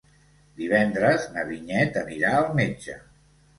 Divendres na Vinyet anirà al metge.